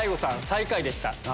最下位でした。